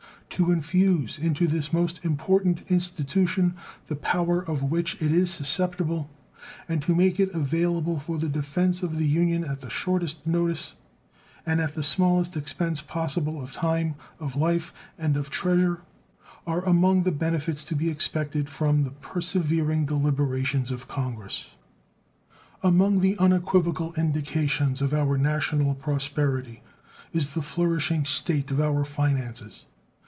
To infuse into this most important institution the power of which it is susceptible and to make it available for the defense of the Union at the shortest notice and at the smallest expense possible of time, of life, and of treasure are among the benefits to be expected from the persevering deliberations of Congress. Among the unequivocal indications of our national prosperity is the flourishing state of our finances.